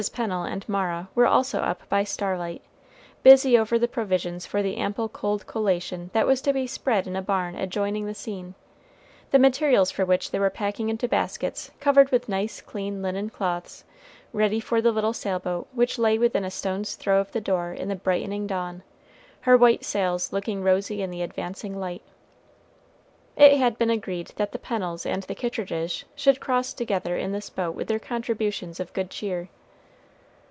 Pennel and Mara were also up by starlight, busy over the provisions for the ample cold collation that was to be spread in a barn adjoining the scene, the materials for which they were packing into baskets covered with nice clean linen cloths, ready for the little sail boat which lay within a stone's throw of the door in the brightening dawn, her white sails looking rosy in the advancing light. It had been agreed that the Pennels and the Kittridges should cross together in this boat with their contributions of good cheer.